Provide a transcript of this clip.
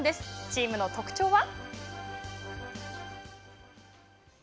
チームの特徴は。